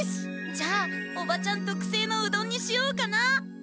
じゃあおばちゃんとくせいのうどんにしようかな。